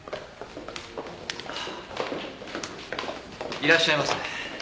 いらっしゃいませ。